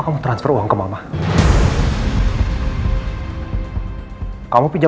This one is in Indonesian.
kalau gue yang suruh matteo ke rumahnya